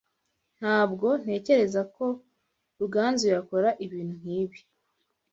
Ntabwo ntekereza ko Ruganzu yakora ibintu nkibi.